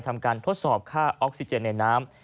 ทำการทดสอบค่าออกซิเจนในน้ำ